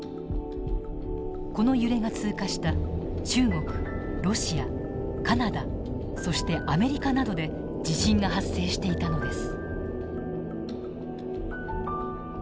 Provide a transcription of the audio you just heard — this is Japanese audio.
この揺れが通過した中国ロシアカナダそしてアメリカなどで地震が発生していたのです。